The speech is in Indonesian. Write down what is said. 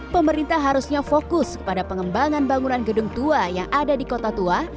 pemerintah harusnya fokus kepada pengembangan bangunan gedung tua yang ada di kota tua